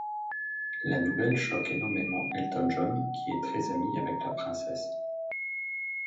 La nouvelle choque énormément Elton John qui est très ami avec la princesse.